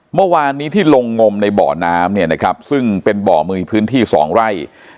เมื่อวานนี้ที่ลงงมในบ่อน้ำซึ่งเป็นบ่อมือพื้นที่๒ไร่